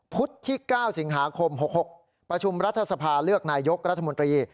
ที่๙สิงหาคม๖๖ประชุมรัฐสภาเลือกนายกรัฐมนตรี